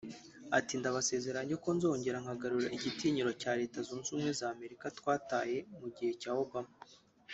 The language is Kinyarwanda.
Ati “Ndabasezeranya ko nzongera nkagarura igitinyiro cya Leta Zunze Ubumwe za Amerika twataye mu gihe cya Obama